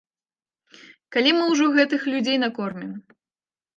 Калі мы ўжо гэтых людзей накормім?